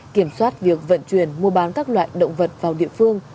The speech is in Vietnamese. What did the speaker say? kiểm soát việc vận chuyển mua bán các loại động vật vào địa phương